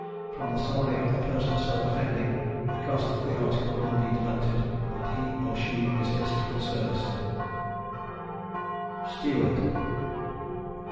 From the salary of the person so offending, the cost of the article will be deducted, and he or she dismissed from service. STEWARD.